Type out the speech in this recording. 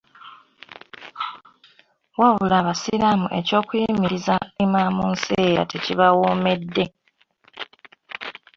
Wabula abasiraamu ekyokuyimiriza Imam Nseera tekibawomedde.